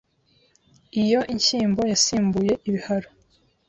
Iyo ishyimbo yasimbuye ibiharo